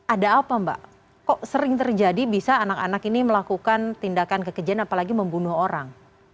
ada apa mbak kok sering terjadi bisa anak anak ini melakukan tindakan kekejian apalagi membunuh orang